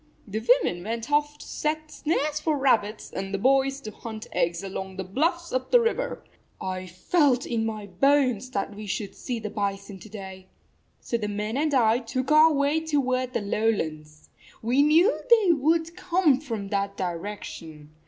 The women went off to set snares for rabbits, and the boys to hunt eggs along the bluffs up the river. I felt in my bones that we should see the bison to day. So the men and I took our way toward the lowlands. We knew they would come from that direction.